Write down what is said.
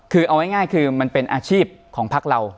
คือเอาง่ายคือมันเป็นอาชีพของพักเรา